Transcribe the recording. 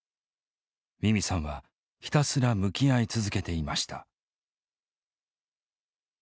ミミさんはひたすら向き合い続けていました。